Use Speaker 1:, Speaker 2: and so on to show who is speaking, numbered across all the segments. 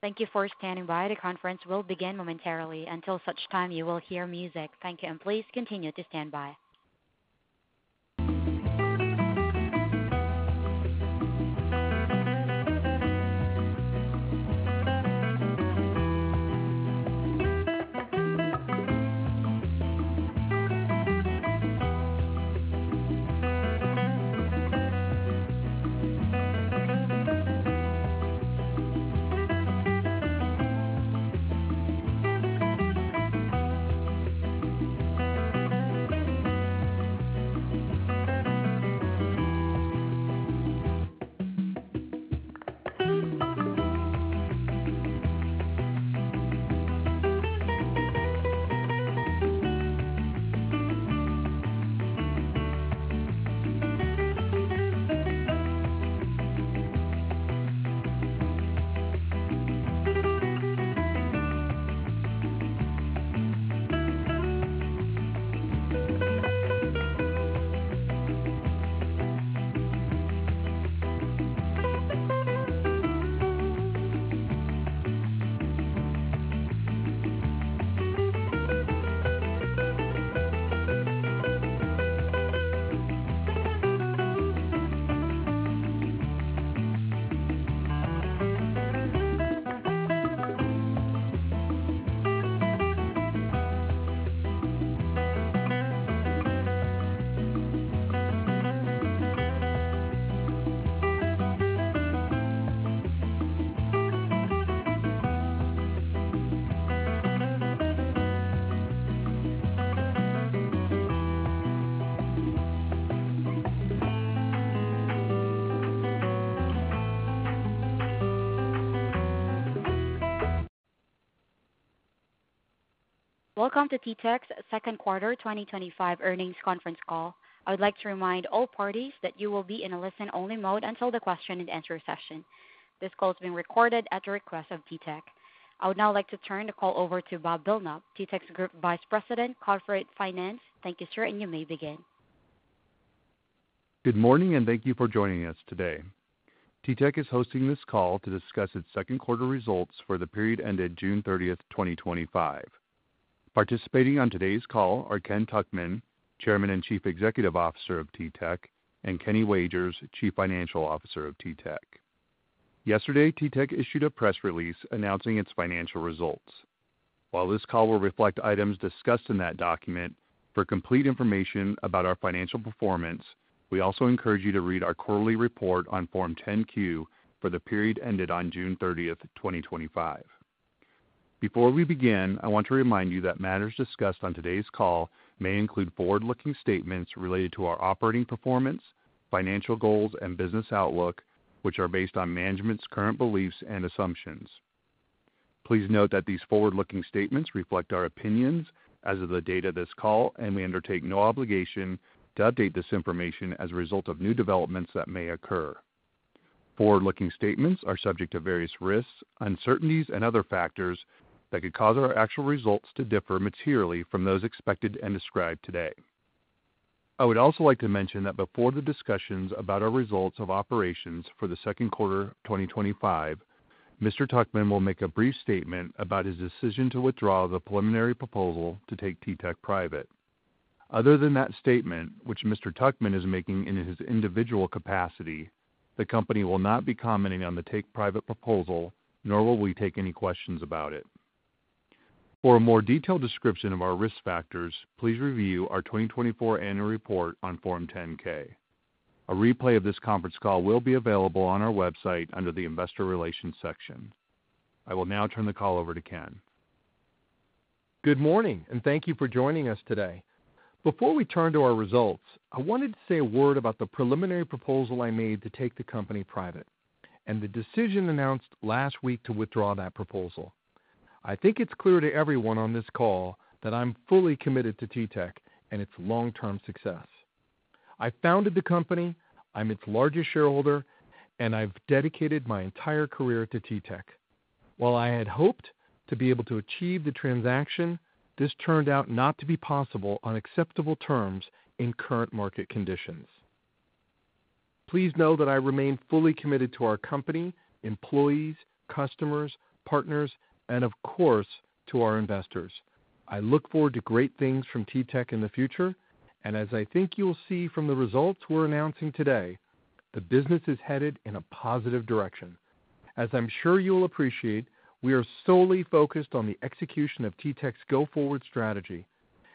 Speaker 1: Thank you for standing by. The conference will begin momentarily. Until such time, you will hear music. Thank you, and please continue to stand by. Welcome to TTEC's Second Quarter 2025 Earnings Conference Call. I would like to remind all parties that you will be in a listen-only mode until the question and answer session. This call is being recorded at the request of TTEC. I would now like to turn the call over to Bob Belknapp, TTEC's Group Vice President, Corporate Finance. Thank you, sir, and you may begin.
Speaker 2: Good morning, and thank you for joining us today. TTEC is hosting this call to discuss its second quarter results for the period ended June 30th, 2025. Participating on today's call are Ken Tuchman, Chairman and Chief Executive Officer of TTEC, and Kenny Wagers, Chief Financial Officer of TTEC. Yesterday, TTEC issued a press release announcing its financial results. While this call will reflect items discussed in that document, for complete information about our financial performance, we also encourage you to read our quarterly report on Form 10-Q for the period ended on June 30th, 2025. Before we begin, I want to remind you that matters discussed on today's call may include forward-looking statements related to our operating performance, financial goals, and business outlook, which are based on management's current beliefs and assumptions. Please note that these forward-looking statements reflect our opinions as of the date of this call, and we undertake no obligation to update this information as a result of new developments that may occur. Forward-looking statements are subject to various risks, uncertainties, and other factors that could cause our actual results to differ materially from those expected and described today. I would also like to mention that before the discussions about our results of operations for the second quarter of 2025, Mr. Tuchman will make a brief statement about his decision to withdraw the preliminary proposal to take TTEC private. Other than that statement, which Mr. Tuchman is making in his individual capacity, the company will not be commenting on the take private proposal, nor will we take any questions about it. For a more detailed description of our risk factors, please review our 2024 annual report on Form 10-K. A replay of this conference call will be available on our website under the investor relations section. I will now turn the call over to Ken.
Speaker 3: Good morning, and thank you for joining us today. Before we turn to our results, I wanted to say a word about the preliminary proposal I made to take the company private, and the decision announced last week to withdraw that proposal. I think it's clear to everyone on this call that I'm fully committed to TTEC and its long-term success. I founded the company, I'm its largest shareholder, and I've dedicated my entire career to TTEC. While I had hoped to be able to achieve the transaction, this turned out not to be possible on acceptable terms in current market conditions. Please know that I remain fully committed to our company, employees, customers, partners, and of course, to our investors. I look forward to great things from TTEC in the future, and as I think you'll see from the results we're announcing today, the business is headed in a positive direction. As I'm sure you'll appreciate, we are solely focused on the execution of TTEC's go-forward strategy.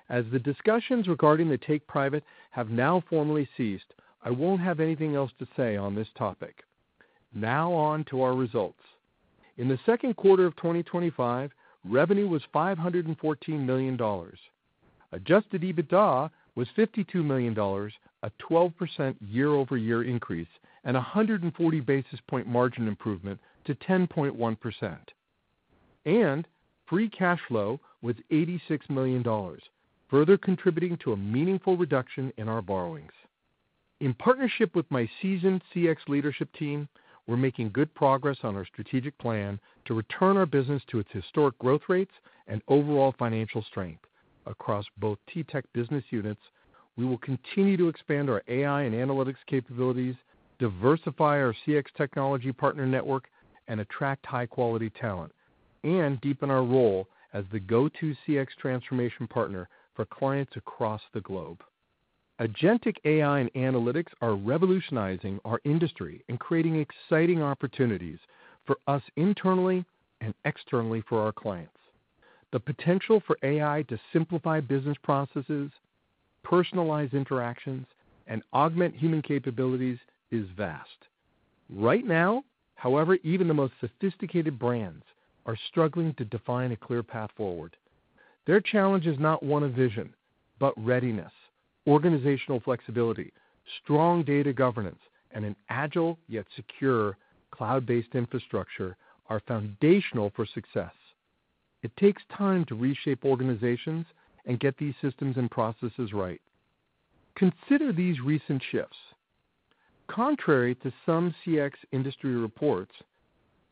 Speaker 3: As the discussions regarding the take private have now formally ceased, I won't have anything else to say on this topic. Now on to our results. In the second quarter of 2025, revenue was $514 million. Adjusted EBITDA was $52 million, a 12% year-over-year increase, and a 140 basis point margin improvement to 10.1%. Free cash flow was $86 million, further contributing to a meaningful reduction in our borrowings. In partnership with my seasoned CX leadership team, we're making good progress on our strategic plan to return our business to its historic growth rates and overall financial strength. Across both TTEC business units, we will continue to expand our AI and analytics capabilities, diversify our CX technology partner network, attract high-quality talent, and deepen our role as the go-to CX transformation partner for clients across the globe. Agentic AI and analytics are revolutionizing our industry and creating exciting opportunities for us internally and externally for our clients. The potential for AI to simplify business processes, personalize interactions, and augment human capabilities is vast. Right now, however, even the most sophisticated brands are struggling to define a clear path forward. Their challenge is not one of vision, but readiness, organizational flexibility, strong data governance, and an agile yet secure cloud-based infrastructure are foundational for success. It takes time to reshape organizations and get these systems and processes right. Consider these recent shifts. Contrary to some CX industry reports,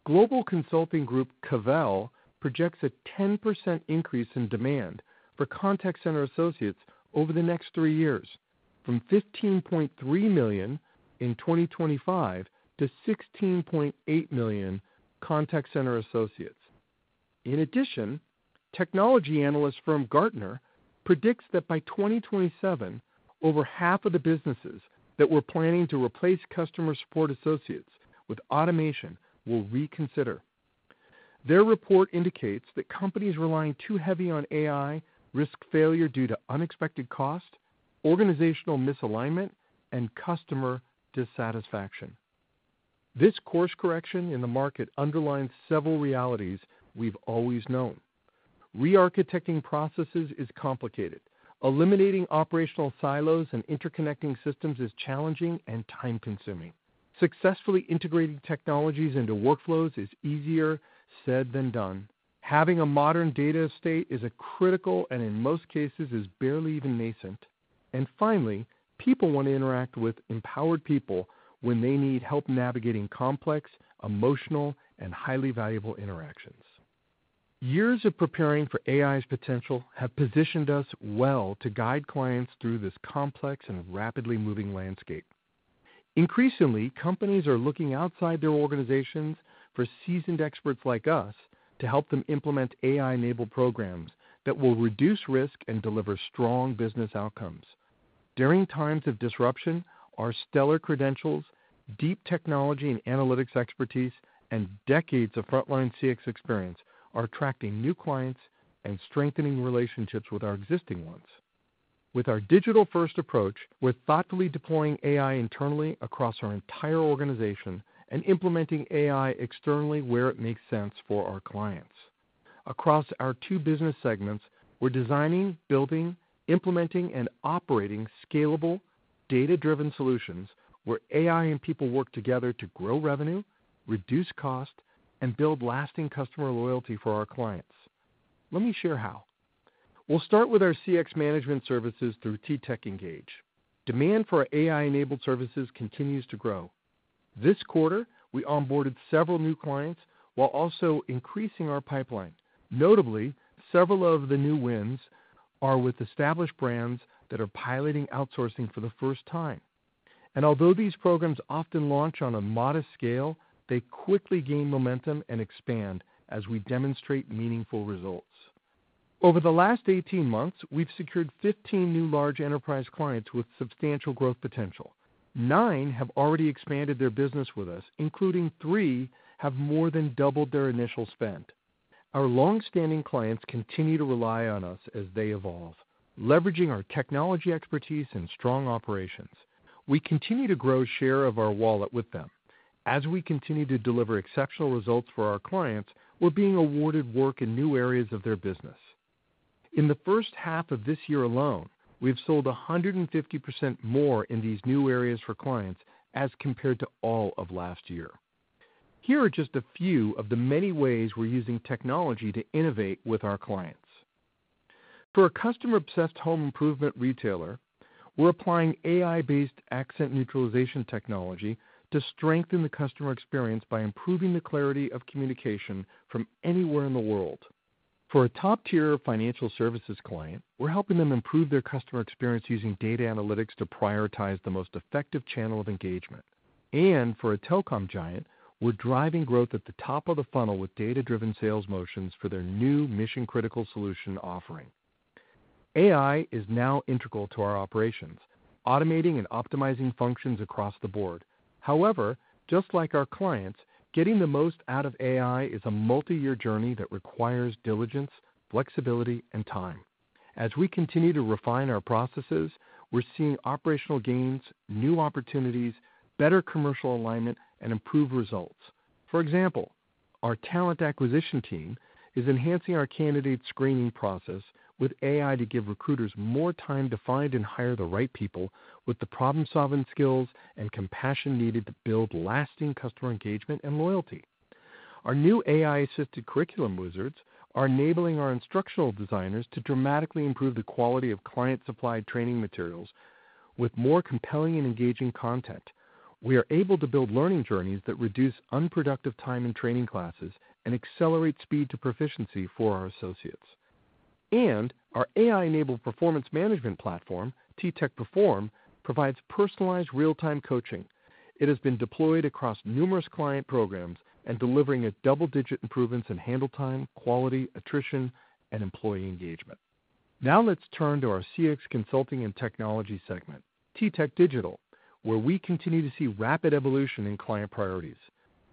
Speaker 3: global consulting group Cavell projects a 10% increase in demand for contact center associates over the next three years, from 15.3 million in 2025 to 16.8 million contact center associates. In addition, technology analyst firm Gartner predicts that by 2027, over half of the businesses that were planning to replace customer support associates with automation will reconsider. Their report indicates that companies relying too heavily on AI risk failure due to unexpected cost, organizational misalignment, and customer dissatisfaction. This course correction in the market underlines several realities we've always known. Re-architecting processes is complicated. Eliminating operational silos and interconnecting systems is challenging and time-consuming. Successfully integrating technologies into workflows is easier said than done. Having a modern data state is critical and, in most cases, is barely even nascent. Finally, people want to interact with empowered people when they need help navigating complex, emotional, and highly valuable interactions. Years of preparing for AI's potential have positioned us well to guide clients through this complex and rapidly moving landscape. Increasingly, companies are looking outside their organizations for seasoned experts like us to help them implement AI-enabled programs that will reduce risk and deliver strong business outcomes. During times of disruption, our stellar credentials, deep technology and analytics expertise, and decades of frontline CX experience are attracting new clients and strengthening relationships with our existing ones. With our digital-first approach, we're thoughtfully deploying AI internally across our entire organization and implementing AI externally where it makes sense for our clients. Across our two business segments, we're designing, building, implementing, and operating scalable, data-driven solutions where AI and people work together to grow revenue, reduce cost, and build lasting customer loyalty for our clients. Let me share how. We'll start with our CX management services through TTEC Engage. Demand for AI-enabled services continues to grow. This quarter, we onboarded several new clients while also increasing our pipeline. Notably, several of the new wins are with established brands that are piloting outsourcing for the first time. Although these programs often launch on a modest scale, they quickly gain momentum and expand as we demonstrate meaningful results. Over the last 18 months, we've secured 15 new large enterprise clients with substantial growth potential. Nine have already expanded their business with us, including three that have more than doubled their initial spend. Our longstanding clients continue to rely on us as they evolve, leveraging our technology expertise and strong operations. We continue to grow the share of our wallet with them. As we continue to deliver exceptional results for our clients, we're being awarded work in new areas of their business. In the first half of this year alone, we've sold 150% more in these new areas for clients as compared to all of last year. Here are just a few of the many ways we're using technology to innovate with our clients. For a customer-obsessed home improvement retailer, we're applying AI-based accent neutralization technology to strengthen the customer experience by improving the clarity of communication from anywhere in the world. For a top-tier financial services client, we're helping them improve their customer experience using data analytics to prioritize the most effective channel of engagement. For a telecom giant, we're driving growth at the top of the funnel with data-driven sales motions for their new mission-critical solution offering. AI is now integral to our operations, automating and optimizing functions across the board. Just like our clients, getting the most out of AI is a multi-year journey that requires diligence, flexibility, and time. As we continue to refine our processes, we're seeing operational gains, new opportunities, better commercial alignment, and improved results. For example, our talent acquisition team is enhancing our candidate screening process with AI to give recruiters more time to find and hire the right people with the problem-solving skills and compassion needed to build lasting customer engagement and loyalty. Our new AI-assisted curriculum wizards are enabling our instructional designers to dramatically improve the quality of client-supplied training materials with more compelling and engaging content. We are able to build learning journeys that reduce unproductive time in training classes and accelerate speed to proficiency for our associates. Our AI-enabled performance management platform, TTEC Perform, provides personalized real-time coaching. It has been deployed across numerous client programs and delivering double-digit improvements in handle time, quality, attrition, and employee engagement. Now let's turn to our CX consulting and technology segment, TTEC Digital, where we continue to see rapid evolution in client priorities.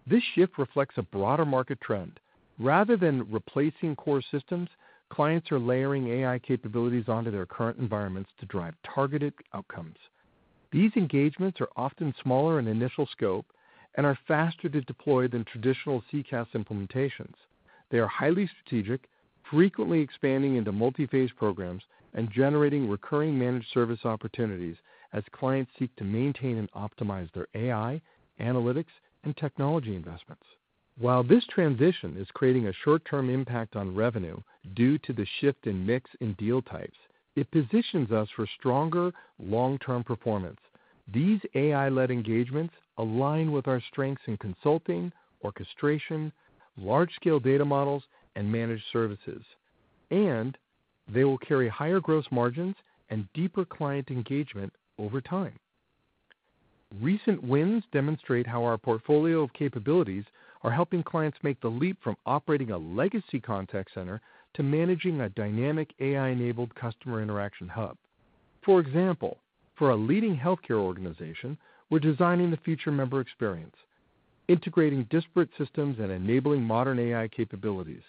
Speaker 3: This shift reflects a broader market trend. Rather than replacing core systems, clients are layering AI capabilities onto their current environments to drive targeted outcomes. These engagements are often smaller in initial scope and are faster to deploy than traditional CCaaS implementations. They are highly strategic, frequently expanding into multi-phase programs and generating recurring managed service opportunities as clients seek to maintain and optimize their AI, analytics, and technology investments. While this transition is creating a short-term impact on revenue due to the shift in mix and deal types, it positions us for stronger long-term performance. These AI-led engagements align with our strengths in consulting, orchestration, large-scale data models, and managed services. They will carry higher gross margins and deeper client engagement over time. Recent wins demonstrate how our portfolio of capabilities is helping clients make the leap from operating a legacy contact center to managing a dynamic AI-enabled customer interaction hub. For example, for a leading healthcare organization, we're designing the future member experience, integrating disparate systems, and enabling modern AI capabilities.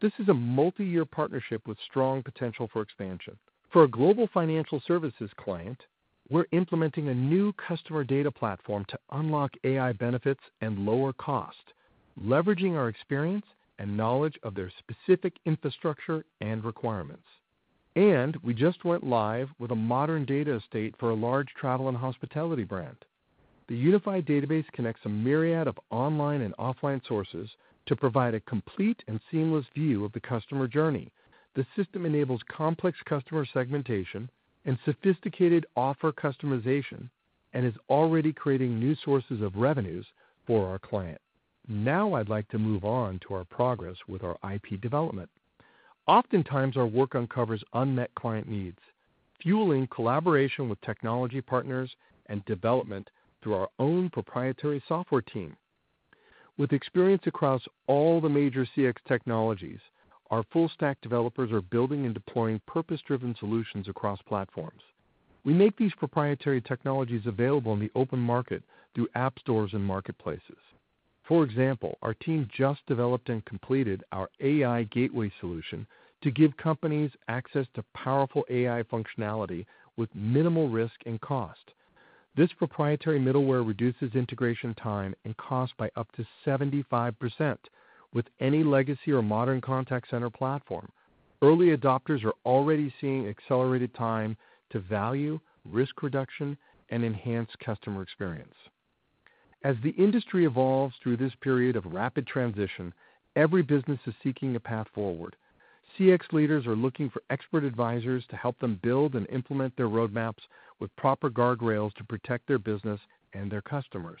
Speaker 3: This is a multi-year partnership with strong potential for expansion. For a global financial services client, we're implementing a new customer data platform to unlock AI benefits and lower cost, leveraging our experience and knowledge of their specific infrastructure and requirements. We just went live with a modern data estate for a large travel and hospitality brand. The unified database connects a myriad of online and offline sources to provide a complete and seamless view of the customer journey. The system enables complex customer segmentation and sophisticated offer customization and is already creating new sources of revenues for our client. Now I'd like to move on to our progress with our IP development. Oftentimes, our work uncovers unmet client needs, fueling collaboration with technology partners and development through our own proprietary software team. With experience across all the major CX technologies, our full-stack developers are building and deploying purpose-driven solutions across platforms. We make these proprietary technologies available in the open market through app stores and marketplaces. For example, our team just developed and completed our AI Gateway solution to give companies access to powerful AI functionality with minimal risk and cost. This proprietary middleware reduces integration time and cost by up to 75% with any legacy or modern contact center platform. Early adopters are already seeing accelerated time to value, risk reduction, and enhanced customer experience. As the industry evolves through this period of rapid transition, every business is seeking a path forward. CX leaders are looking for expert advisors to help them build and implement their roadmaps with proper guardrails to protect their business and their customers.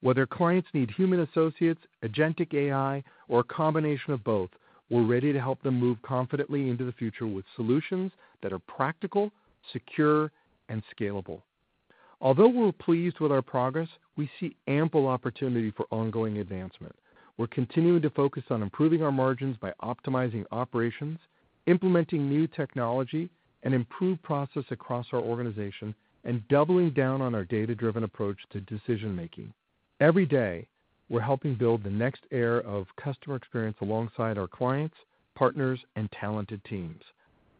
Speaker 3: Whether clients need human associates, agentic AI, or a combination of both, we're ready to help them move confidently into the future with solutions that are practical, secure, and scalable. Although we're pleased with our progress, we see ample opportunity for ongoing advancement. We're continuing to focus on improving our margins by optimizing operations, implementing new technology, an improved process across our organization, and doubling down on our data-driven approach to decision-making. Every day, we're helping build the next era of customer experience alongside our clients, partners, and talented teams.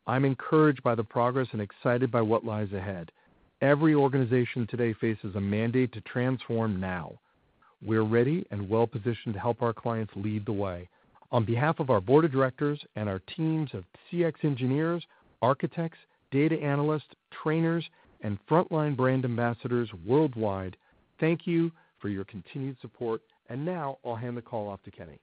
Speaker 3: I'm encouraged by the progress and excited by what lies ahead. Every organization today faces a mandate to transform now. We're ready and well-positioned to help our clients lead the way. On behalf of our Board of Directors and our teams of CX engineers, architects, data analysts, trainers, and frontline brand ambassadors worldwide, thank you for your continued support. Now I'll hand the call off to Kenny.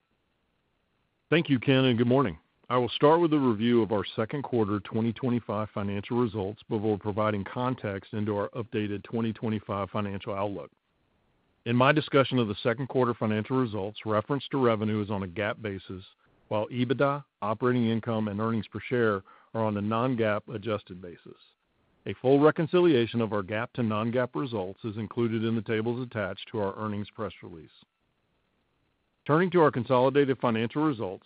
Speaker 4: Thank you, Ken, and good morning. I will start with a review of our second quarter 2025 financial results before providing context into our updated 2025 financial outlook. In my discussion of the second quarter financial results, reference to revenue is on a GAAP basis, while EBITDA, operating income, and earnings per share are on a non-GAAP adjusted basis. A full reconciliation of our GAAP to non-GAAP results is included in the tables attached to our earnings press release. Turning to our consolidated financial results,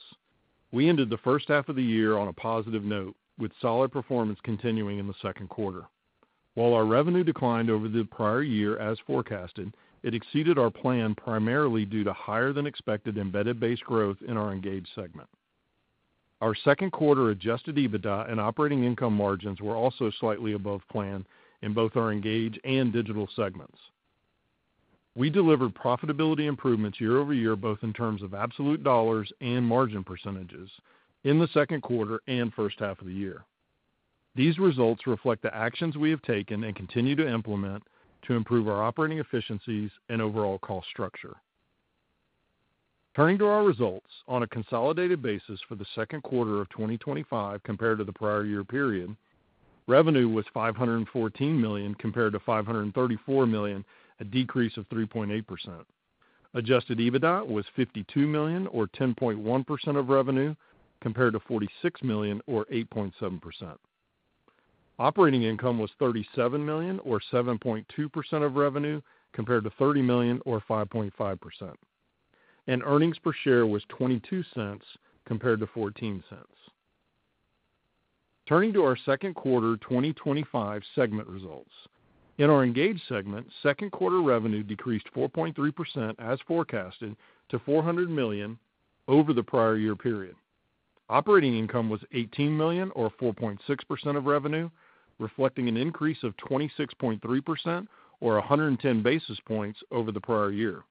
Speaker 4: we ended the first half of the year on a positive note, with solid performance continuing in the second quarter. While our revenue declined over the prior year as forecasted, it exceeded our plan primarily due to higher-than-expected embedded base growth in our engaged segment. Our second quarter adjusted EBITDA and operating income margins were also slightly above plan in both our engaged and digital segments. We delivered profitability improvements year-over-year, both in terms of absolute dollars and margin percentages in the second quarter and first half of the year. These results reflect the actions we have taken and continue to implement to improve our operating efficiencies and overall cost structure. Turning to our results, on a consolidated basis for the second quarter of 2025 compared to the prior year period, revenue was $514 million compared to $534 million, a decrease of 3.8%. Adjusted EBITDA was $52 million, or 10.1% of revenue, compared to $46 million, or 8.7%. Operating income was $37 million, or 7.2% of revenue, compared to $30 million, or 5.5%. Earnings per share was $0.22 compared to $0.14. Turning to our second quarter 2025 segment results. In our engaged segment, second quarter revenue decreased 4.3% as forecasted to $400 million over the prior year period. Operating income was $18 million, or 4.6% of revenue, reflecting an increase of 26.3% or 110 basis points over the prior year.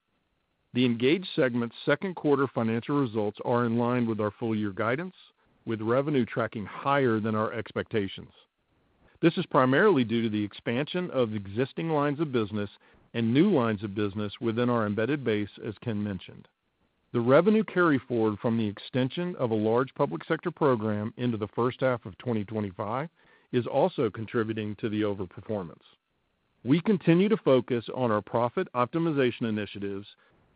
Speaker 4: The engaged segment's second quarter financial results are in line with our full-year guidance, with revenue tracking higher than our expectations. This is primarily due to the expansion of existing lines of business and new lines of business within our embedded base, as Ken mentioned. The revenue carry forward from the extension of a large public sector program into the first half of 2025 is also contributing to the overperformance. We continue to focus on our profit optimization initiatives,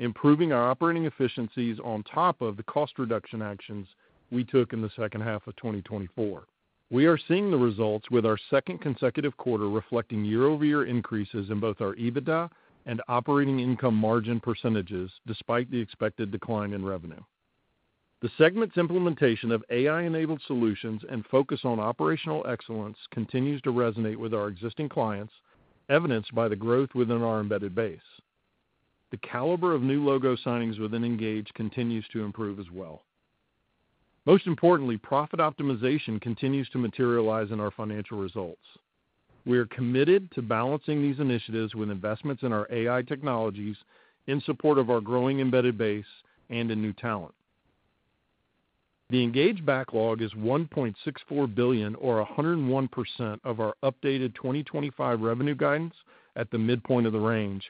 Speaker 4: improving our operating efficiencies on top of the cost reduction actions we took in the second half of 2024. We are seeing the results with our second consecutive quarter reflecting year-over-year increases in both our EBITDA and operating income margin percentages, despite the expected decline in revenue. The segment's implementation of AI-enabled solutions and focus on operational excellence continues to resonate with our existing clients, evidenced by the growth within our embedded base. The caliber of new logo signings within Engage continues to improve as well. Most importantly, profit optimization continues to materialize in our financial results. We are committed to balancing these initiatives with investments in our AI technologies in support of our growing embedded base and in new talent. The Engage backlog is $1.64 billion, or 101% of our updated 2025 revenue guidance at the midpoint of the range,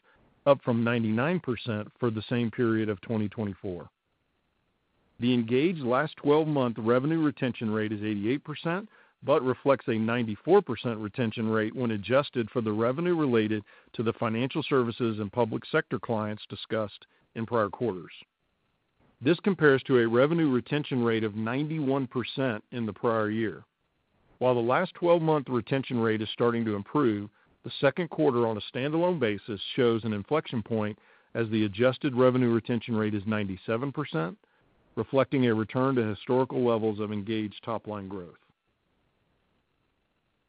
Speaker 4: up from 99% for the same period of 2024. The Engage last 12-month revenue retention rate is 88%, but reflects a 94% retention rate when adjusted for the revenue related to the financial services and public sector clients discussed in prior quarters. This compares to a revenue retention rate of 91% in the prior year. While the last 12-month retention rate is starting to improve, the second quarter on a standalone basis shows an inflection point as the adjusted revenue retention rate is 97%, reflecting a return to historical levels of Engage top-line growth.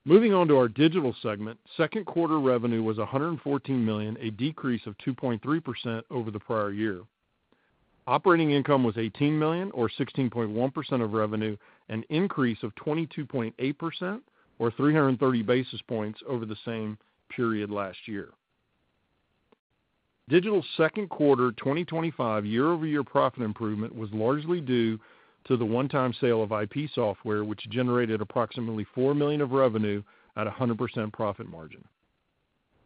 Speaker 4: Moving on to our digital segment, second quarter revenue was $114 million, a decrease of 2.3% over the prior year. Operating income was $18 million, or 16.1% of revenue, an increase of 22.8% or 330 basis points over the same period last year. Digital's second quarter 2025 year-over-year profit improvement was largely due to the one-time sale of IP software, which generated approximately $4 million of revenue at a 100% profit margin.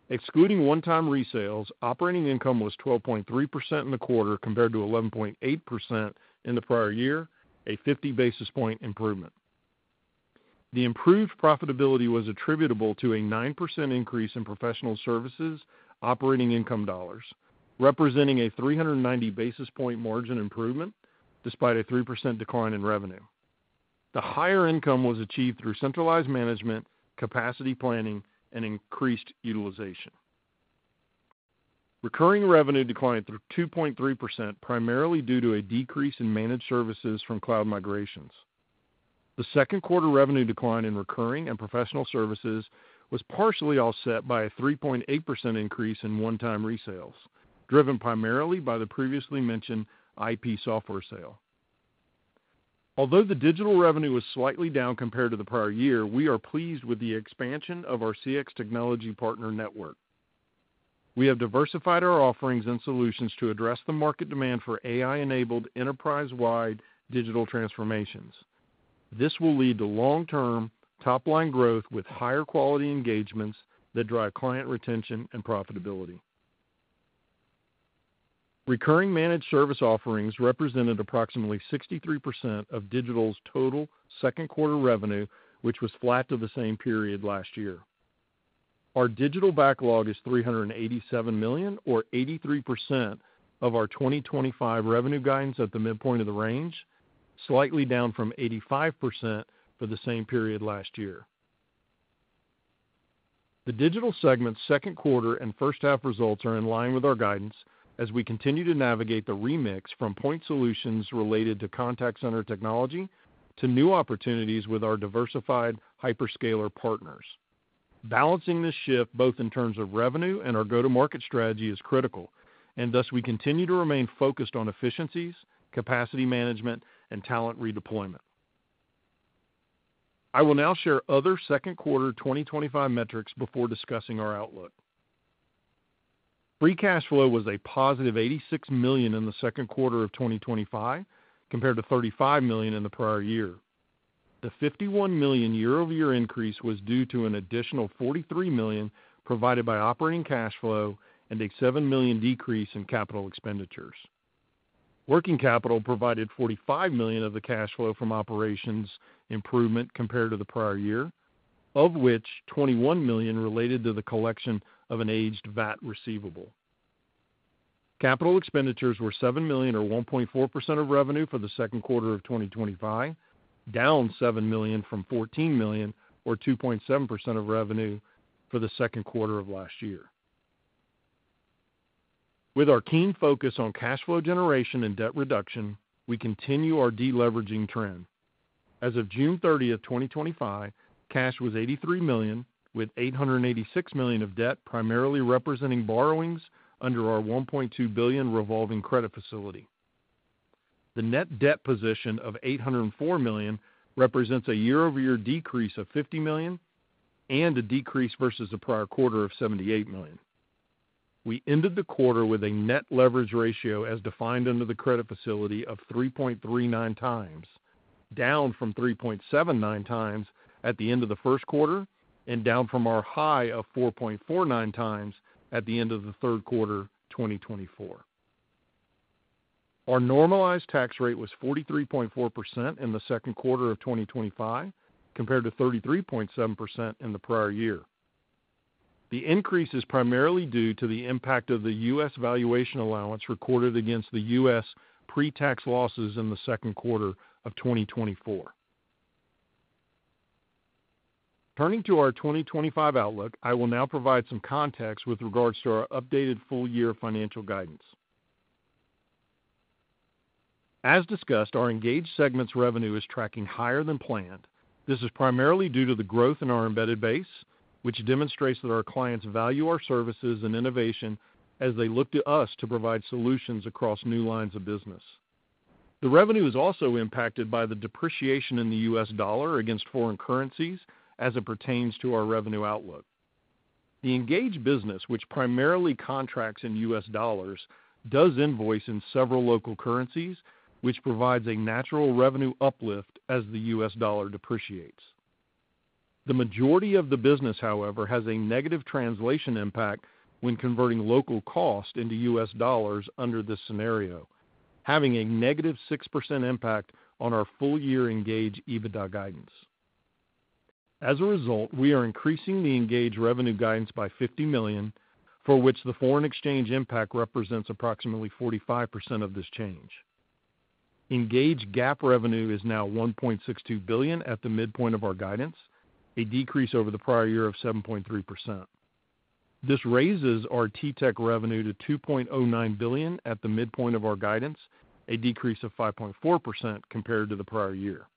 Speaker 4: Excluding one-time resales, operating income was 12.3% in the quarter compared to 11.8% in the prior year, a 50 basis point improvement. The improved profitability was attributable to a 9% increase in professional services operating income dollars, representing a 390 basis point margin improvement, despite a 3% decline in revenue. The higher income was achieved through centralized management, capacity planning, and increased utilization. Recurring revenue declined to 2.3% primarily due to a decrease in managed services from cloud migrations. The second quarter revenue decline in recurring and professional services was partially offset by a 3.8% increase in one-time resales, driven primarily by the previously mentioned IP software sale. Although the digital revenue was slightly down compared to the prior year, we are pleased with the expansion of our CX technology partner network. We have diversified our offerings and solutions to address the market demand for AI-enabled enterprise-wide digital transformations. This will lead to long-term top-line growth with higher quality engagements that drive client retention and profitability. Recurring managed service offerings represented approximately 63% of Digital's total second quarter revenue, which was flat to the same period last year. Our digital backlog is $387 million, or 83% of our 2025 revenue guidance at the midpoint of the range, slightly down from 85% for the same period last year. The digital segment's second quarter and first half results are in line with our guidance as we continue to navigate the remix from point solutions related to contact center technology to new opportunities with our diversified hyperscaler partners. Balancing this shift both in terms of revenue and our go-to-market strategy is critical, and thus we continue to remain focused on efficiencies, capacity management, and talent redeployment. I will now share other second quarter 2025 metrics before discussing our outlook. Free cash flow was a +$86 million in the second quarter of 2025, compared to $35 million in the prior year. The $51 million year-over-year increase was due to an additional $43 million provided by operating cash flow and a $7 million decrease in capital expenditures. Working capital provided $45 million of the cash flow from operations improvement compared to the prior year, of which $21 million related to the collection of an aged VAT receivable. Capital expenditures were $7 million, or 1.4% of revenue for the second quarter of 2025, down $7 million from $14 million, or 2.7% of revenue for the second quarter of last year. With our keen focus on cash flow generation and debt reduction, we continue our deleveraging trend. As of June 30th, 2025, cash was $83 million, with $886 million of debt primarily representing borrowings under our $1.2 billion revolving credit facility. The net debt position of $804 million represents a year-over-year decrease of $50 million and a decrease versus the prior quarter of $78 million. We ended the quarter with a net leverage ratio as defined under the credit facility of 3.39x, down from 3.79x at the end of the first quarter and down from our high of 4.49x at the end of the third quarter 2024. Our normalized tax rate was 43.4% in the second quarter of 2025, compared to 33.7% in the prior year. The increase is primarily due to the impact of the U.S. valuation allowance recorded against the U.S. pre-tax losses in the second quarter of 2024. Turning to our 2025 outlook, I will now provide some context with regards to our updated full-year financial guidance. As discussed, our Engage segment's revenue is tracking higher than planned. This is primarily due to the growth in our embedded client base, which demonstrates that our clients value our services and innovation as they look to us to provide solutions across new lines of business. The revenue is also impacted by the depreciation in the U.S. dollar against foreign currencies as it pertains to our revenue outlook. The Engage business, which primarily contracts in U.S. dollars, does invoice in several local currencies, which provides a natural revenue uplift as the U.S. dollar depreciates. The majority of the business, however, has a negative translation impact when converting local cost into U.S. dollars under this scenario, having a -6% impact on our full-year Engage EBITDA guidance. As a result, we are increasing the Engage revenue guidance by $50 million, for which the foreign exchange impact represents approximately 45% of this change. Engage GAAP revenue is now $1.62 billion at the midpoint of our guidance, a decrease over the prior year of 7.3%. This raises our TTEC revenue to $2.09 billion at the midpoint of our guidance, a decrease of 5.4% compared to the prior year.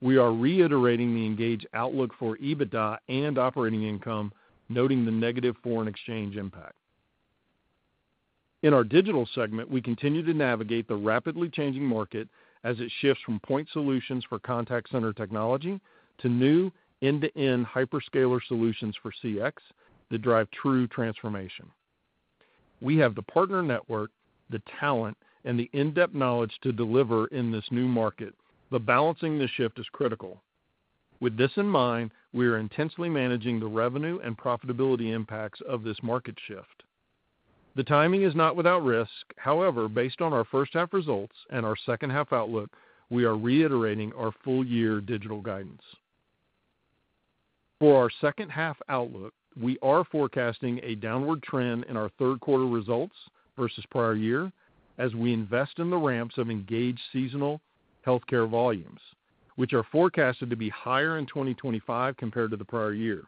Speaker 4: We are reiterating the Engage outlook for EBITDA and operating income, noting the negative foreign exchange impact. In our Digital segment, we continue to navigate the rapidly changing market as it shifts from point solutions for contact center technology to new end-to-end hyperscaler solutions for CX that drive true transformation. We have the partner network, the talent, and the in-depth knowledge to deliver in this new market, but balancing this shift is critical. With this in mind, we are intensely managing the revenue and profitability impacts of this market shift. The timing is not without risk; however, based on our first half results and our second half outlook, we are reiterating our full-year digital guidance. For our second half outlook, we are forecasting a downward trend in our third quarter results versus prior year as we invest in the ramps of engaged seasonal healthcare volumes, which are forecasted to be higher in 2025 compared to the prior year.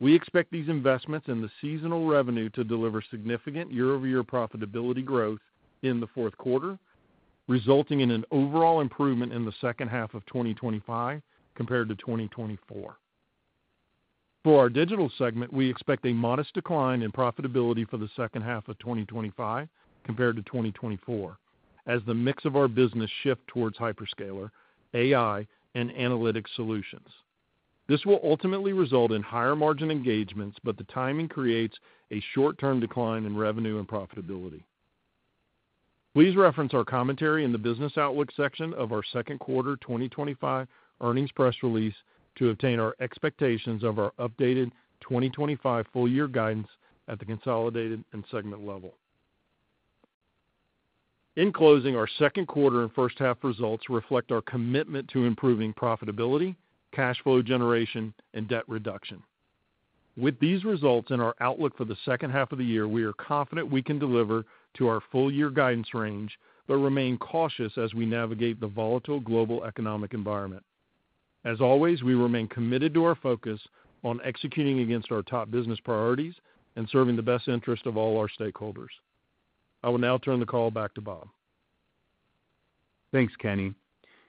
Speaker 4: We expect these investments in the seasonal revenue to deliver significant year-over-year profitability growth in the fourth quarter, resulting in an overall improvement in the second half of 2025 compared to 2024. For our digital segment, we expect a modest decline in profitability for the second half of 2025 compared to 2024, as the mix of our business shifts towards hyperscaler, AI, and analytics solutions. This will ultimately result in higher margin engagements, but the timing creates a short-term decline in revenue and profitability. Please reference our commentary in the business outlook section of our second quarter 2025 earnings press release to obtain our expectations of our updated 2025 full-year guidance at the consolidated and segment level. In closing, our second quarter and first half results reflect our commitment to improving profitability, cash flow generation, and debt reduction. With these results in our outlook for the second half of the year, we are confident we can deliver to our full-year guidance range but remain cautious as we navigate the volatile global economic environment. As always, we remain committed to our focus on executing against our top business priorities and serving the best interests of all our stakeholders. I will now turn the call back to Bob.
Speaker 2: Thanks, Kenny.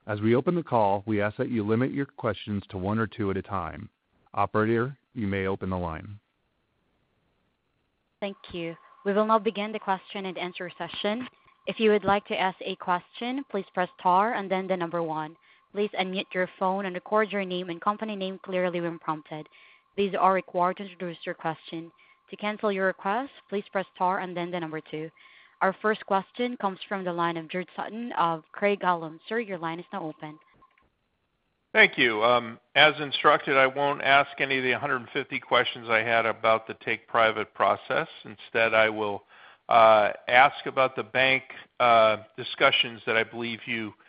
Speaker 2: As we open the call, we ask that you limit your questions to one or two at a time. Operator, you may open the line.
Speaker 1: Thank you. We will now begin the question and answer session. If you would like to ask a question, please press star and then the number one. Please unmute your phone and record your name and company name clearly when prompted. These are required to introduce your question. To cancel your request, please press star and then the number two. Our first question comes from the line of George Sutton of Craig-Hallum. Sir, your line is now open.
Speaker 5: Thank you. As instructed, I won't ask any of the 150 questions I had about the take private process. Instead, I will ask about the bank discussions that I believe you had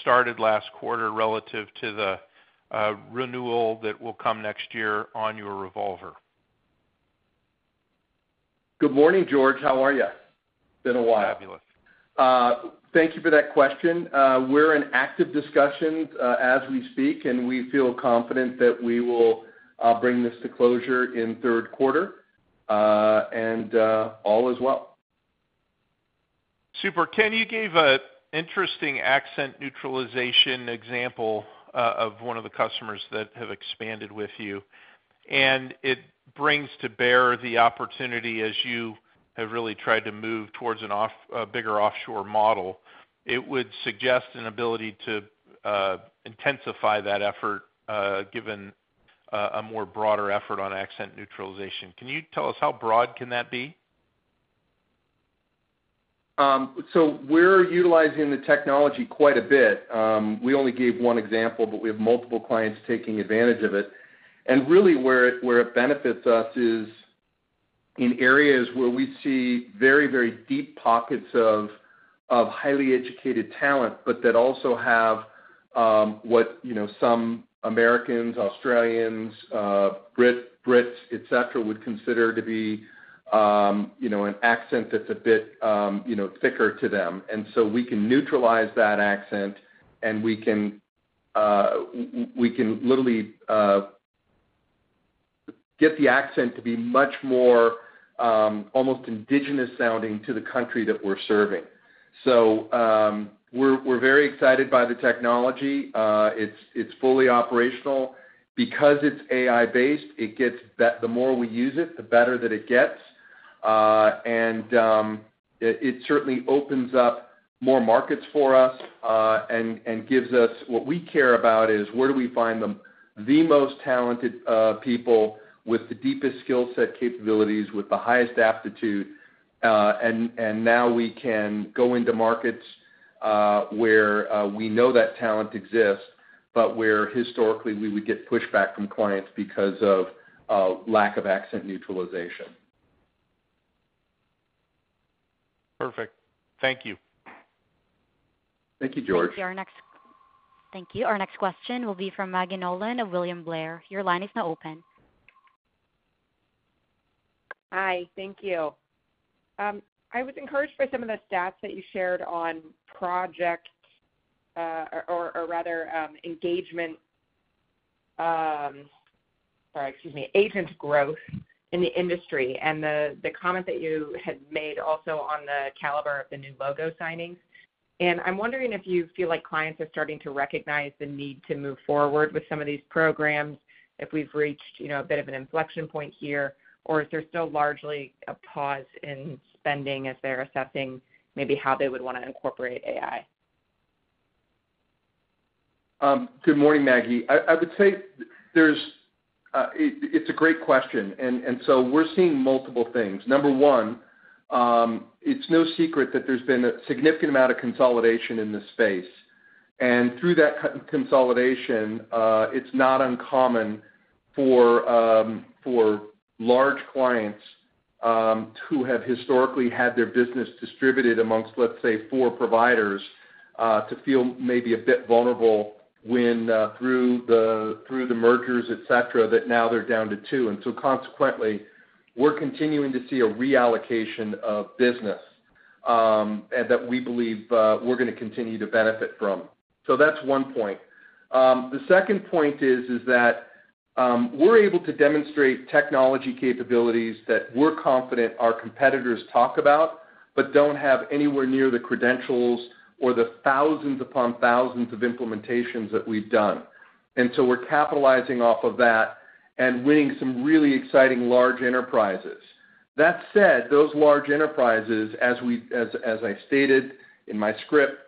Speaker 5: started last quarter relative to the renewal that will come next year on your revolver.
Speaker 3: Good morning, George. How are you? Been a while.
Speaker 5: Fabulous.
Speaker 3: Thank you for that question. We're in active discussion as we speak, and we feel confident that we will bring this to closure in the third quarter, and all is well.
Speaker 5: Super. Can you gave an interesting accent neutralization example of one of the customers that have expanded with you, and it brings to bear the opportunity as you have really tried to move towards a bigger offshore model. It would suggest an ability to intensify that effort, given a more broader effort on accent neutralization. Can you tell us how broad can that be?
Speaker 3: We are utilizing the technology quite a bit. We only gave one example, but we have multiple clients taking advantage of it. Where it benefits us is in areas where we see very, very deep pockets of highly educated talent, but that also have what some Americans, Australians, Brits, etc., would consider to be an accent that's a bit thicker to them. We can neutralize that accent, and we can literally get the accent to be much more almost indigenous sounding to the country that we're serving. We are very excited by the technology. It's fully operational. Because it's AI-based, the more we use it, the better that it gets. It certainly opens up more markets for us and gives us what we care about, which is where do we find the most talented people with the deepest skill set capabilities, with the highest aptitude. Now we can go into markets where we know that talent exists, but where historically we would get pushback from clients because of lack of accent neutralization.
Speaker 5: Perfect. Thank you.
Speaker 3: Thank you, George.
Speaker 1: Thank you. Our next question will be from Maggie Nolan of William Blair. Your line is now open.
Speaker 6: Hi. Thank you. I was encouraged by some of the stats that you shared on project, or rather engagement, sorry, excuse me, agent growth in the industry, and the comment that you had made also on the caliber of the new logo signings. I'm wondering if you feel like clients are starting to recognize the need to move forward with some of these programs, if we've reached a bit of an inflection point here, or is there still largely a pause in spending as they're assessing maybe how they would want to incorporate AI?
Speaker 3: Good morning, Maggie. I would say it's a great question. We're seeing multiple things. Number one, it's no secret that there's been a significant amount of consolidation in this space. Through that consolidation, it's not uncommon for large clients who have historically had their business distributed amongst, let's say, four providers to feel maybe a bit vulnerable when through the mergers, etc., that now they're down to two. Consequently, we're continuing to see a reallocation of business that we believe we're going to continue to benefit from. That's one point. The second point is that we're able to demonstrate technology capabilities that we're confident our competitors talk about but don't have anywhere near the credentials or the thousands upon thousands of implementations that we've done. We're capitalizing off of that and winning some really exciting large enterprises. That said, those large enterprises, as I stated in my script,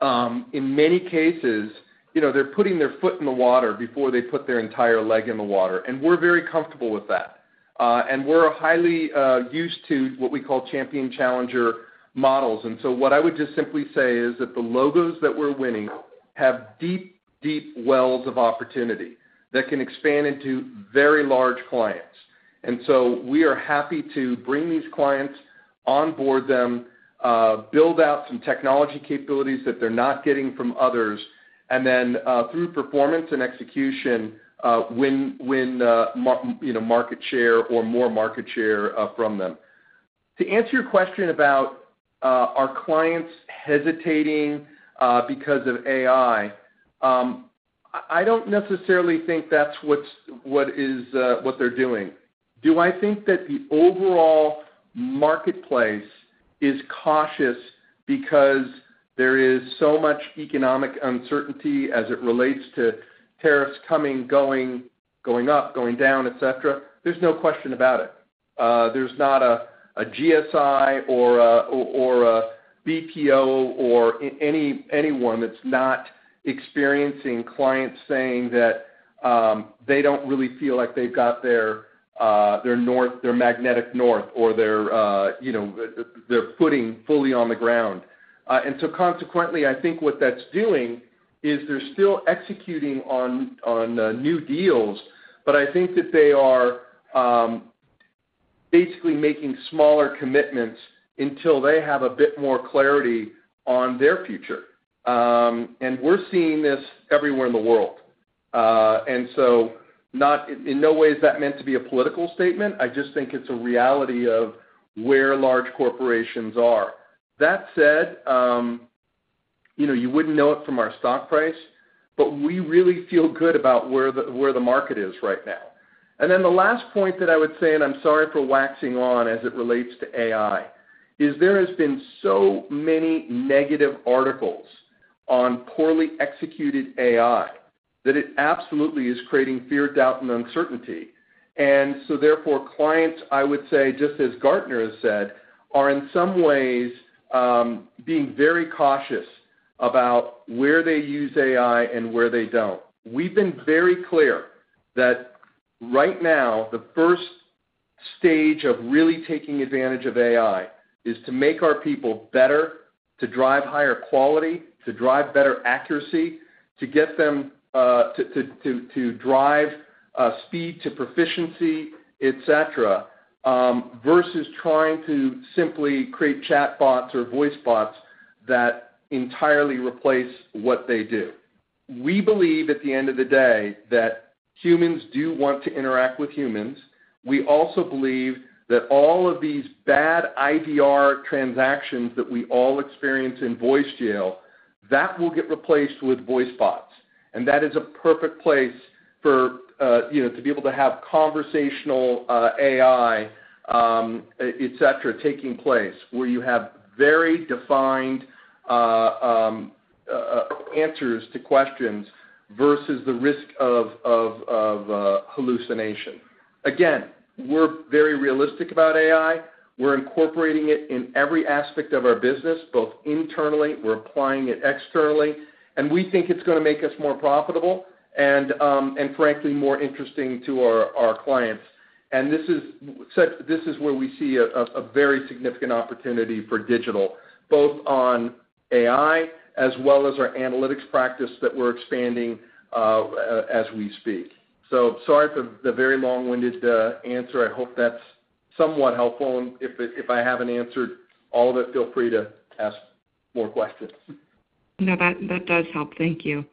Speaker 3: in many cases, you know they're putting their foot in the water before they put their entire leg in the water. We're very comfortable with that. We're highly used to what we call champion challenger models. What I would just simply say is that the logos that we're winning have deep, deep wells of opportunity that can expand into very large clients. We are happy to bring these clients, onboard them, build out some technology capabilities that they're not getting from others, and then through performance and execution win market share or more market share from them. To answer your question about our clients hesitating because of AI, I don't necessarily think that's what they're doing. Do I think that the overall marketplace is cautious because there is so much economic uncertainty as it relates to tariffs coming, going, going up, going down, etc.? There's no question about it. There's not a GSI or a BPO or anyone that's not experiencing clients saying that they don't really feel like they've got their magnetic north or their footing fully on the ground. Consequently, I think what that's doing is they're still executing on new deals, but I think that they are basically making smaller commitments until they have a bit more clarity on their future. We're seeing this everywhere in the world. In no way is that meant to be a political statement. I just think it's a reality of where large corporations are. That said, you wouldn't know it from our stock price, but we really feel good about where the market is right now. The last point that I would say, and I'm sorry for waxing on as it relates to AI, is there have been so many negative articles on poorly executed AI that it absolutely is creating fear, doubt, and uncertainty. Therefore, clients, I would say, just as Gartner has said, are in some ways being very cautious about where they use AI and where they don't. We've been very clear that right now, the first stage of really taking advantage of AI is to make our people better, to drive higher quality, to drive better accuracy, to get them to drive speed to proficiency, etc., versus trying to simply create chatbots or voicebots that entirely replace what they do. We believe, at the end of the day, that humans do want to interact with humans. We also believe that all of these bad IVR transactions that we all experience in voice jail, that will get replaced with voicebots. That is a perfect place for, you know, to be able to have conversational AI, etc., taking place where you have very defined answers to questions versus the risk of hallucination. Again, we're very realistic about AI. We're incorporating it in every aspect of our business, both internally. We're applying it externally. We think it's going to make us more profitable and, frankly, more interesting to our clients. This is where we see a very significant opportunity for digital, both on AI as well as our analytics practice that we're expanding as we speak. Sorry for the very long-winded answer. I hope that's somewhat helpful. If I haven't answered all of it, feel free to ask more questions.
Speaker 6: No, that does help. Thank you.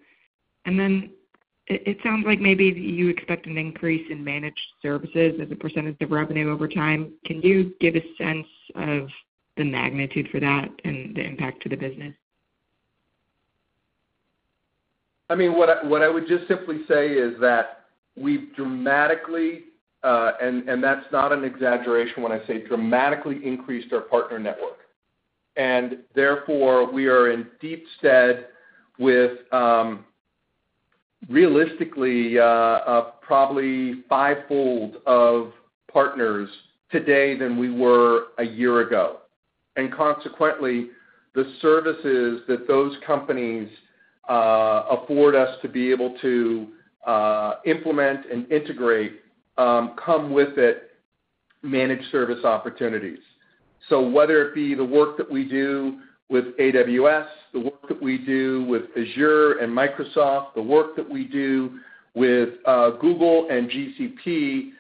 Speaker 6: It sounds like maybe you expect an increase in managed services as a percentage of revenue over time. Can you give a sense of the magnitude for that and the impact to the business?
Speaker 3: I mean, what I would just simply say is that we've dramatically, and that's not an exaggeration when I say dramatically, increased our partner network. Therefore, we are in deep stead with realistically probably fivefold of partners today than we were a year ago. Consequently, the services that those companies afford us to be able to implement and integrate come with it managed service opportunities. Whether it be the work that we do with AWS, the work that we do with Microsoft Azure, the work that we do with Google Cloud Platform,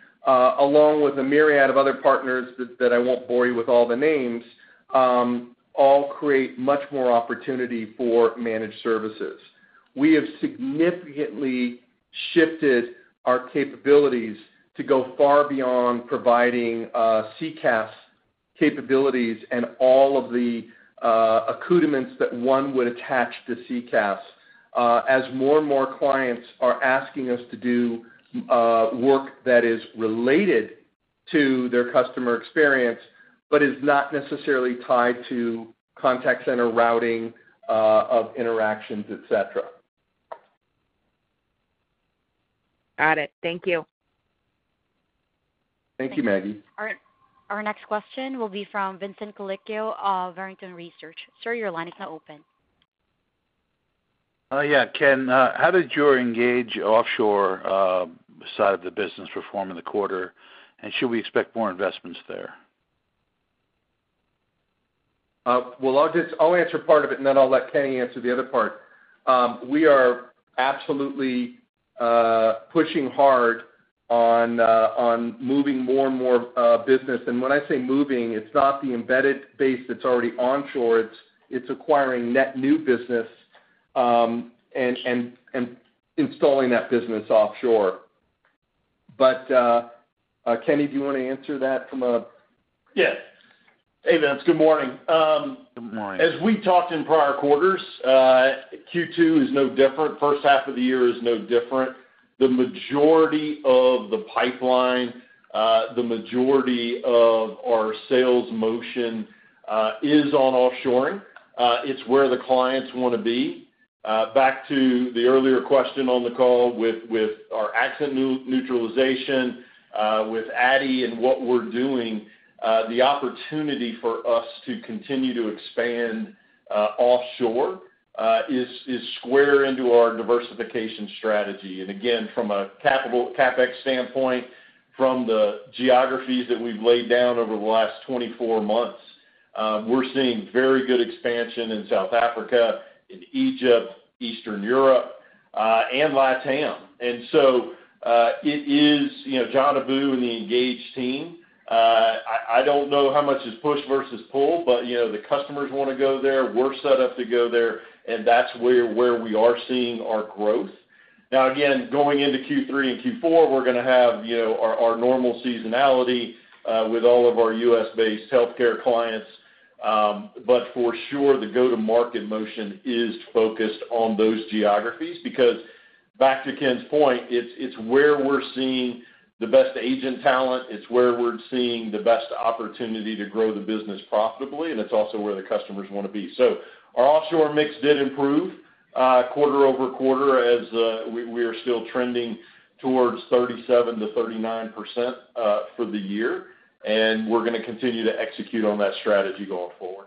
Speaker 3: along with a myriad of other partners that I won't bore you with all the names, all create much more opportunity for managed services. We have significantly shifted our capabilities to go far beyond providing CCaaS capabilities and all of the accoutrements that one would attach to CCaaS as more and more clients are asking us to do work that is related to their customer experience but is not necessarily tied to contact center routing of interactions, etc.
Speaker 6: Got it. Thank you.
Speaker 3: Thank you, Maggie.
Speaker 1: Our next question will be from Vincent Colicchio of Barrington Research. Sir, your line is now open.
Speaker 7: Yeah. Ken, how did your Engage offshore side of the business perform in the quarter, and should we expect more investments there?
Speaker 3: I'll answer part of it, and then I'll let Kenny answer the other part. We are absolutely pushing hard on moving more and more business. When I say moving, it's not the embedded base that's already onshore. It's acquiring net new business and installing that business offshore. Kenny, do you want to answer that from a.
Speaker 4: Yeah. Hey, Vince. Good morning.
Speaker 7: Good morning.
Speaker 4: As we talked in prior quarters, Q2 is no different. First half of the year is no different. The majority of the pipeline, the majority of our sales motion is on offshoring. It's where the clients want to be. Back to the earlier question on the call with our accent neutralization with ADDI and what we're doing, the opportunity for us to continue to expand offshore is square into our diversification strategy. Again, from a CapEx standpoint, from the geographies that we've laid down over the last 24 months, we're seeing very good expansion in South Africa, in Egypt, Eastern Europe, and LATAM. It is John Abou and the Engage team. I don't know how much is push versus pull, but the customers want to go there. We're set up to go there, and that's where we are seeing our growth. Now, going into Q3 and Q4, we're going to have our normal seasonality with all of our U.S.-based healthcare clients. For sure, the go-to-market motion is focused on those geographies because, back to Ken's point, it's where we're seeing the best agent talent. It's where we're seeing the best opportunity to grow the business profitably, and it's also where the customers want to be. Our offshore mix did improve quarter-over-quarter as we are still trending towards 37%-39% for the year. We're going to continue to execute on that strategy going forward.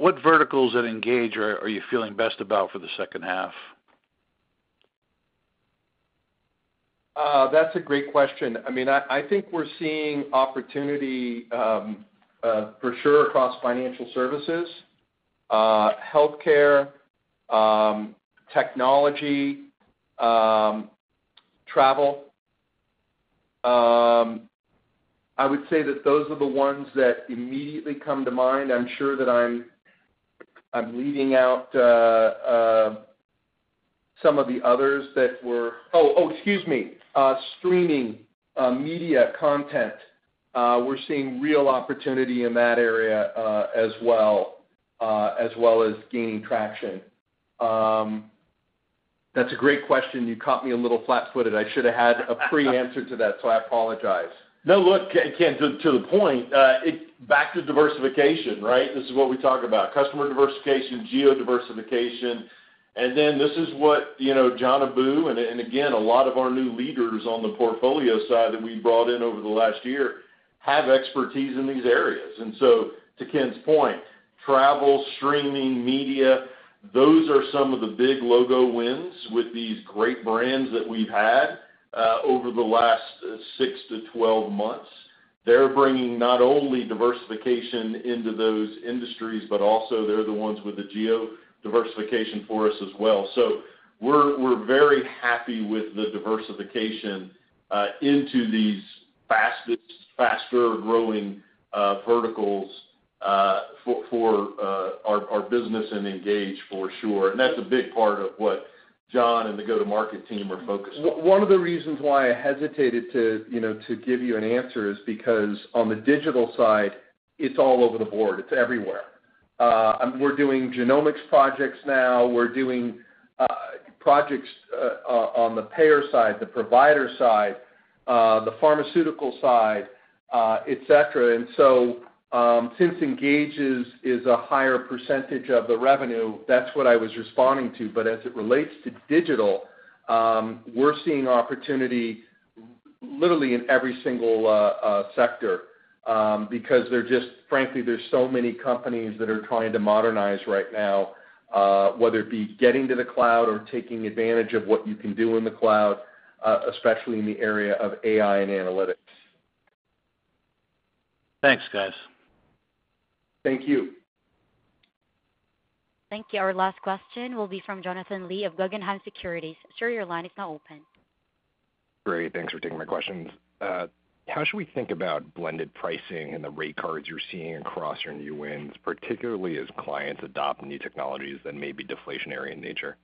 Speaker 7: What verticals at Engage are you feeling best about for the second half?
Speaker 3: That's a great question. I think we're seeing opportunity for sure across financial services, healthcare, technology, travel. I would say that those are the ones that immediately come to mind. I'm sure that I'm leaving out some of the others, streaming media content. We're seeing real opportunity in that area as well, as well as gaining traction. That's a great question. You caught me a little flat-footed. I should have had a pre-answer to that, so I apologize.
Speaker 4: No, look, Ken, to the point, it's back to diversification, right? This is what we talk about: customer diversification, geo-diversification. This is what, you know, John Abou and, again, a lot of our new leaders on the portfolio side that we brought in over the last year have expertise in these areas. To Ken's point, travel, streaming, media, those are some of the big logo wins with these great brands that we've had over the last 6-12 months. They're bringing not only diversification into those industries, but also they're the ones with the geo-diversification for us as well. We're very happy with the diversification into these faster growing verticals for our business and Engage, for sure. That's a big part of what John and the go-to-market team are focused on.
Speaker 3: One of the reasons why I hesitated to give you an answer is because on the digital side, it's all over the board. It's everywhere. We're doing genomics projects now. We're doing projects on the payer side, the provider side, the pharmaceutical side, etc. Since Engage is a higher percentage of the revenue, that's what I was responding to. As it relates to digital, we're seeing opportunity literally in every single sector because there's just, frankly, there's so many companies that are trying to modernize right now, whether it be getting to the cloud or taking advantage of what you can do in the cloud, especially in the area of AI and analytics.
Speaker 7: Thanks, guys.
Speaker 3: Thank you.
Speaker 1: Thank you. Our last question will be from Jonathan Lee of Guggenheim Securities. Sir, your line is now open.
Speaker 8: Great. Thanks for taking my questions. How should we think about blended pricing and the rate cards you're seeing across your new wins, particularly as clients adopt new technologies that may be deflationary in nature?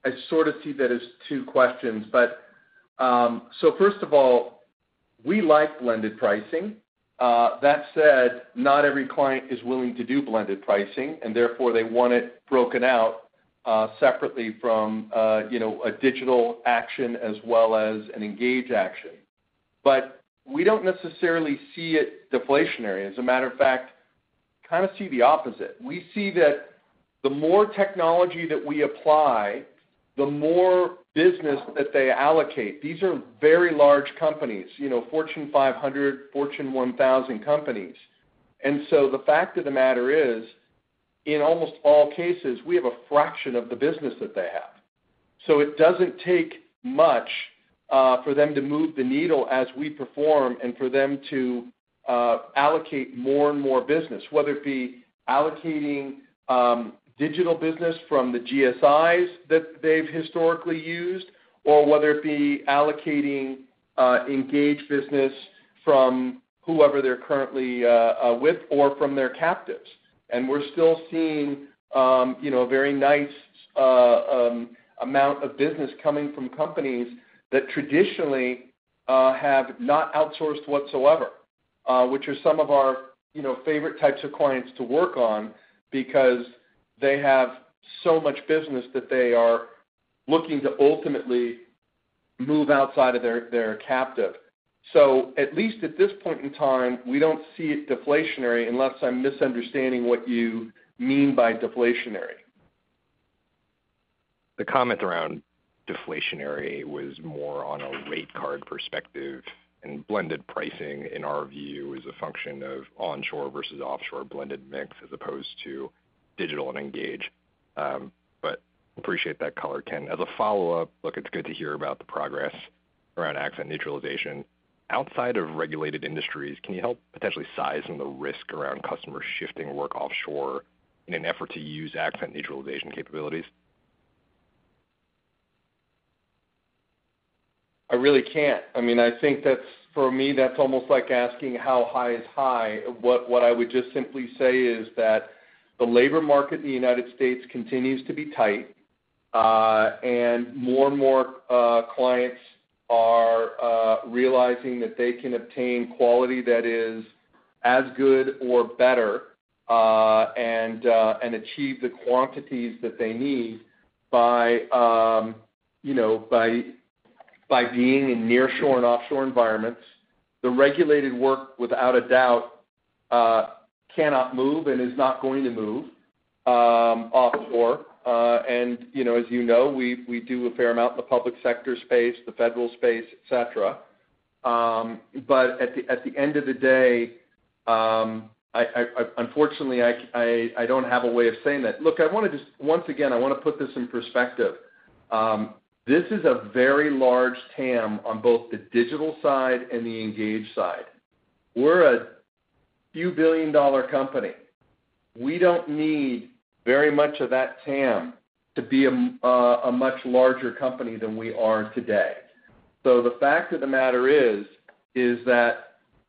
Speaker 3: I sort of see that as two questions. First of all, we like blended pricing. That said, not every client is willing to do blended pricing, and therefore, they want it broken out separately from a digital action as well as an Engage action. We don't necessarily see it deflationary. As a matter of fact, kind of see the opposite. We see that the more technology that we apply, the more business that they allocate. These are very large companies, you know, Fortune 500, Fortune 1000 companies. The fact of the matter is, in almost all cases, we have a fraction of the business that they have. It doesn't take much for them to move the needle as we perform and for them to allocate more and more business, whether it be allocating digital business from the GSIs that they've historically used or allocating Engage business from whoever they're currently with or from their captives. We're still seeing a very nice amount of business coming from companies that traditionally have not outsourced whatsoever, which are some of our favorite types of clients to work on because they have so much business that they are looking to ultimately move outside of their captive. At least at this point in time, we don't see it deflationary unless I'm misunderstanding what you mean by deflationary.
Speaker 8: The comment around deflationary was more on a rate card perspective, and blended pricing, in our view, is a function of onshore versus offshore blended mix as opposed to digital and Engage. I appreciate that color, Ken. As a follow-up, it's good to hear about the progress around accent neutralization. Outside of regulated industries, can you help potentially size some of the risk around customers shifting work offshore in an effort to use accent neutralization capabilities?
Speaker 3: I really can't. I mean, I think that's, for me, that's almost like asking how high is high. What I would just simply say is that the labor market in the U.S. continues to be tight, and more and more clients are realizing that they can obtain quality that is as good or better and achieve the quantities that they need by being in nearshore and offshore environments. The regulated work, without a doubt, cannot move and is not going to move offshore. You know, as you know, we do a fair amount in the public sector space, the federal space, etc. At the end of the day, unfortunately, I don't have a way of saying that. Look, I want to just, once again, I want to put this in perspective. This is a very large TAM on both the digital side and the Engage side. We're a few billion dollar company. We don't need very much of that TAM to be a much larger company than we are today. The fact of the matter is that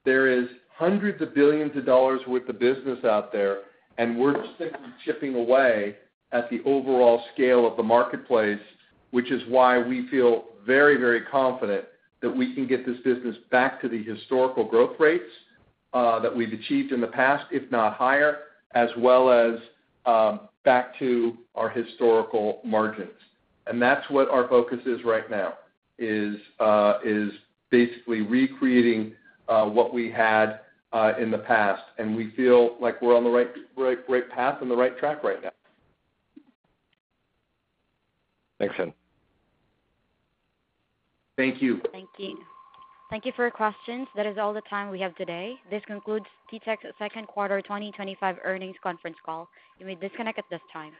Speaker 3: there are hundreds of billions of dollars worth of business out there, and we're simply chipping away at the overall scale of the marketplace, which is why we feel very, very confident that we can get this business back to the historical growth rates that we've achieved in the past, if not higher, as well as back to our historical margins. That's what our focus is right now, is basically recreating what we had in the past. We feel like we're on the right path and the right track right now.
Speaker 8: Thanks, Ken.
Speaker 3: Thank you.
Speaker 1: Thank you. Thank you for your questions. That is all the time we have today. This concludes TTEC's Second Quarter 2025 Earnings Conference Call. You may disconnect at this time.